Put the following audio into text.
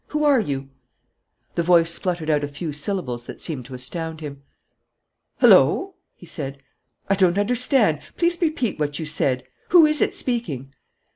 Who are you?" The voice spluttered out a few syllables that seemed to astound him. "Hullo!" he said. "I don't understand. Please repeat what you said. Who is it speaking?"